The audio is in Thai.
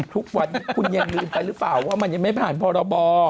ทุกวันนี้คุณยังลืมไปหรือเปล่าว่ามันยังไม่ผ่านพรบ